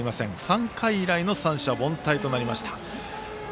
３回以来の三者凡退となりました。